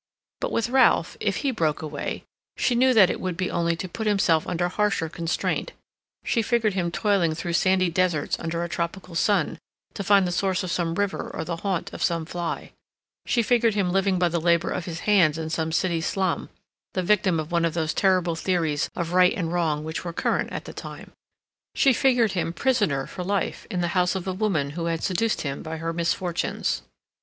But with Ralph, if he broke away, she knew that it would be only to put himself under harsher constraint; she figured him toiling through sandy deserts under a tropical sun to find the source of some river or the haunt of some fly; she figured him living by the labor of his hands in some city slum, the victim of one of those terrible theories of right and wrong which were current at the time; she figured him prisoner for life in the house of a woman who had seduced him by her misfortunes.